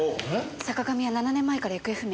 坂上は７年前から行方不明。